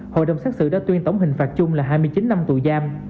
hội đồng xét xử đã tuyên tổng hình phạt chung là hai mươi chín năm tù giam